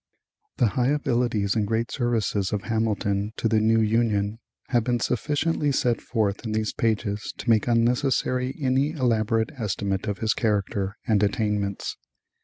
The high abilities and great services of Hamilton to the new Union have been sufficiently set forth in these pages to make unnecessary any elaborate estimate of his character and attainments.